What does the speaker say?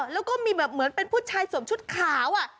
แล้วก็มีแบบเหมือนเป็นผู้ชายสวมชุดขาว